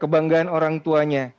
kebanggaan orang tuanya